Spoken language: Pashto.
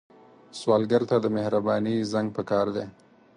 سوالګر ته د مهرباني زنګ پکار دی